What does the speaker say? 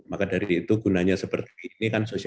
maka dari itu gunanya seperti ini kan sosialisasi